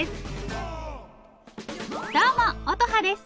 どうも乙葉です！